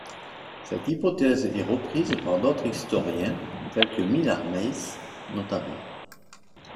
Cette hypothèse est reprise par d'autres historiens tels que Millard Meiss notamment.